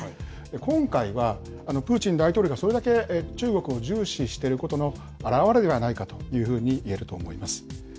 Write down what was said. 今回はプーチン大統領がそれだけ中国を重視してることの表れではないかというふうにいえると思います。